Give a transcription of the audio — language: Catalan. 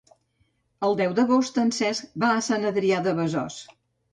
El deu d'agost en Cesc va a Sant Adrià de Besòs.